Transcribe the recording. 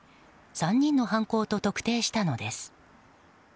３人の犯行と特定したのです。